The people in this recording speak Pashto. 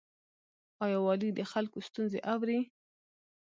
آیا والي د خلکو ستونزې اوري؟